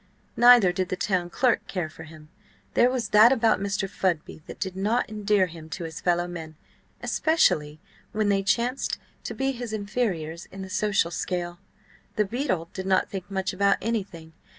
Neither did the town clerk care for him. There was that about Mr. Fudby that did not endear him to his fellow men, especially when they chanced to be his inferiors in the social scale. The beadle did not think much about anything.